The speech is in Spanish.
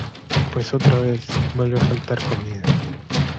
pues otra vez, vuelve a faltar comida.